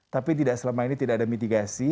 tapi selama ini tidak ada mitigasi